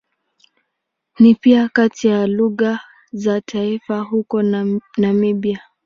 Ni pia kati ya lugha za taifa huko Namibia.